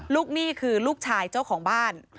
หนี้คือลูกชายเจ้าของบ้าน